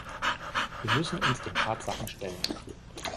Wir müssen uns den Tatsachen stellen.